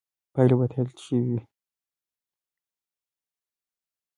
پایلې به تایید شوې وي.